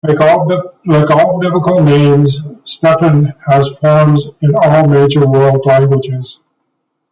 Like all biblical names, Stephen has forms in all major world languages.